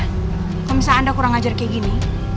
kalau misalnya anda kurang ajar kayak gini